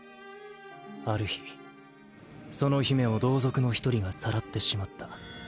ある日その姫を同族の一人がさらってしまった。